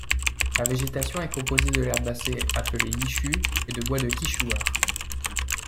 La végétation est composée de l'herbacée appelée ichu et de bois de quishuar.